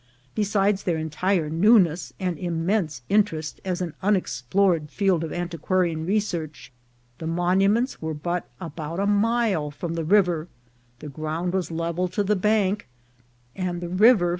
Besides their entire newness and im mense interest as an unexplored field of antiquarian re search, the monuments were but about a mile from the river, the ground was level to the bank, and the river 124 INCIDENTS OF TRAVEL.